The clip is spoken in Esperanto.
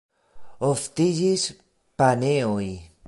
Oftiĝis paneoj.